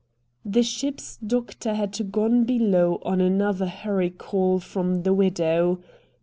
The ship's doctor had gone below on another "hurry call" from the widow.